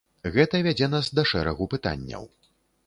Гэта вядзе нас да шэрагу пытанняў.